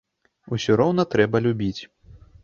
Усё роўна трэба любіць.